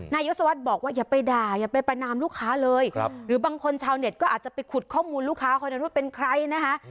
นายศวรรษบอกว่าอย่าไปด่าอย่าไปประนามลูกค้าเลยหรือบางคนชาวเน็ตก็อาจจะไปขุดข้อมูลลูกค้าคนนั้นว่าเป็นใครนะคะ